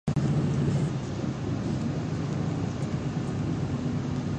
群馬県邑楽町